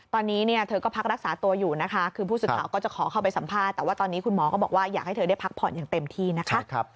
ตอนนี้เธอก็พักรักษาตัวอยู่นะค่ะ